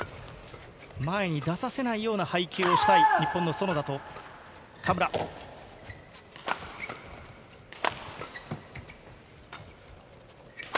前に出て来させないような配球をしたい、日本の園田と嘉村です。